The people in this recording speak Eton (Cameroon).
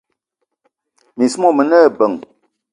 Miss mo mene ebeng.